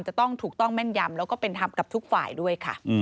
จะต้องถูกต้องแม่นยำแล้วก็เป็นธรรมกับทุกฝ่ายด้วยค่ะ